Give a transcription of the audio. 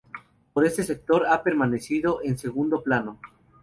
Pero este sector ha permanecido en un segundo plano.